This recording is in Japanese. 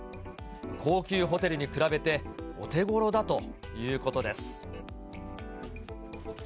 高級ホテルに比べてお手ごろだということです。